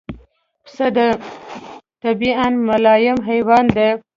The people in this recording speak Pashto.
پسه د طبعاً ملایم حیوان دی.